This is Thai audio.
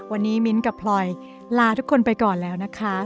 วันนี้มิ้นท์กับพลอยลาทุกคนไปก่อนแล้วนะคะ